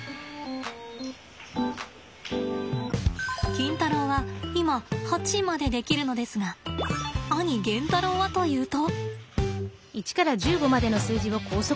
キンタロウは今８までできるのですが兄ゲンタロウはというと。